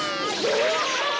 うわ！